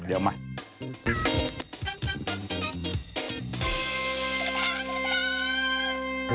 เดี๋ยวก่อนคุณอ่านข่าวเดี๋ยวฉันได้กิน